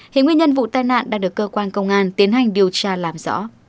hình nguyên nhân vụ tai nạn đã được cơ quan công an tiến hành điều tra làm rõ